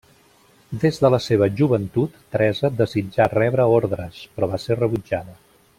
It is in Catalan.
Des de la seva joventut, Teresa desitjà rebre ordres, però va ser rebutjada.